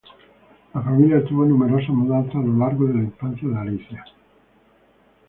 La familia tuvo numerosas mudanzas a lo largo de la infancia de Alicia.